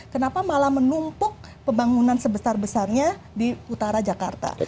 kenapa malah menumpuk pembangunan sebesar besarnya di utara jakarta